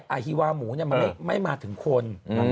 อาฮีวาหมูเนี่ยมันไม่มาถึงคน